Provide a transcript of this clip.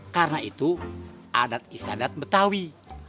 karena itu adat isadat betawi